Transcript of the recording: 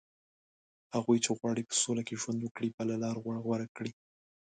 هغوی چې غواړي په سوله کې ژوند وکړي، به بله لاره غوره کړي